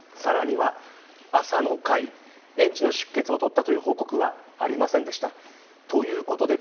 さらには、朝の会園児の出欠を取ったという報告はありませんでした。